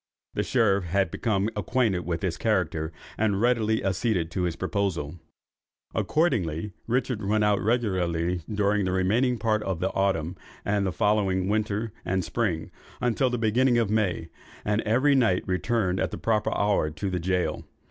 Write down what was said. The sheriff had become acquainted with his character, and readily acceded to his proposal. Accordingly Richard went out regularly during the remaining part of the autumn, and the following winter and spring, until the beginning of May, and every night returned at the proper hour to the gaol.